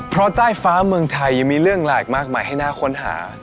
เพราะใต้ฟ้าเมืองไทยยังมีเรื่องหลากหลายมากมายให้น่าค้นหา